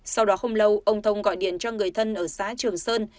sau đó không lâu ông thông gọi điện cho người thân ở xã trường sơn